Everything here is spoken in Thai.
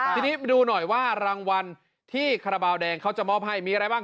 ทีนี้ไปดูหน่อยว่ารางวัลที่คาราบาลแดงเขาจะมอบให้มีอะไรบ้าง